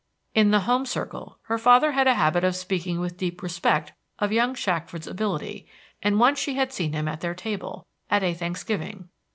In the home circle her father had a habit of speaking with deep respect of young Shackford's ability, and once she had seen him at their table, at a Thanksgiving.